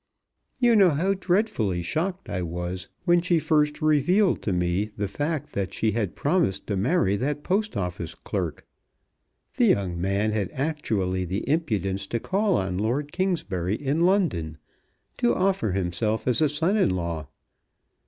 You know how dreadfully shocked I was when she first revealed to me the fact that she had promised to marry that Post Office clerk. The young man had actually the impudence to call on Lord Kingsbury in London, to offer himself as a son in law.